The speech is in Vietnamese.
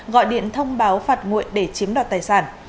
gọi điện thông báo phạt nguội để chiếm đoạt tài sản